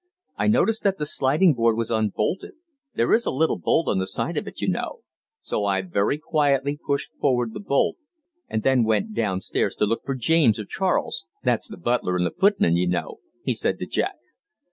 I noticed that the sliding board was unbolted there is a little bolt on the side of it, you know so I very quietly pushed forward the bolt and then went downstairs to look for James or Charles that's the butler and the footman, you know," he said to Jack.